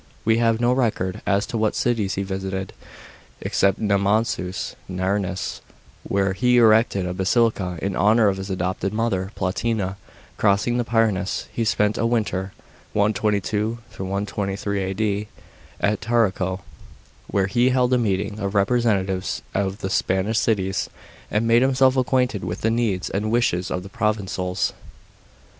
We have no record as to what cities he visited, except Nemausns (Nirnes), where he erected a basilica in honour of his adopted mother Plotina. Crossing the Pyrenees, he spent a winter (122 123 A.D.) at Tarraco, where he held a meeting of representatives of the Spanish cities, and made himself acquainted with the needs and wishes of the provincials.